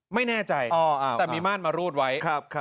ไม่แน่ใจแต่มีม่านมารูดไว้